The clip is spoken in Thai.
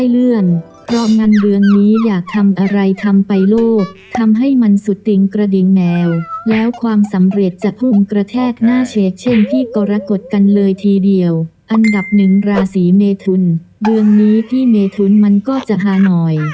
อันดับหนึ่งราศีเมทุนเดือนนี้พี่เมทุนมันก็จะฮาหน่อย